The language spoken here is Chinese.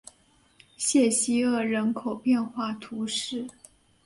谢西厄人口变化图示